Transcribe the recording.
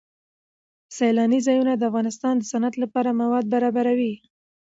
سیلانی ځایونه د افغانستان د صنعت لپاره مواد برابروي.